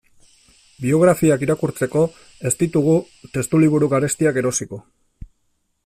Biografiak irakurtzeko ez ditugu testuliburu garestiak erosiko.